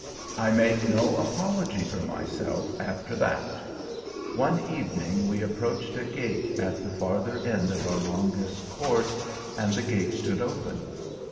I make no apology for myself after that. "One evening we approached a gate at the farther end of our longest course, and the gate stood open.